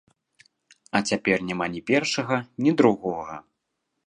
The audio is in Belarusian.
А цяпер няма ні першага, ні другога.